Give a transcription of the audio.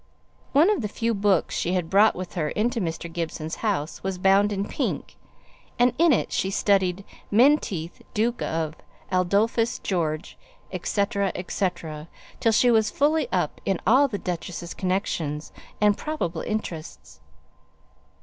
One of the few books she had brought with her into Mr. Gibson's house was bound in pink, and in it she studied "Menteith, Duke of, Adolphus George," &c., &c., till she was fully up in all the duchess's connections, and probable interests.